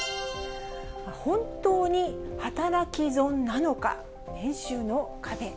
本当に働き損なのか、年収の壁。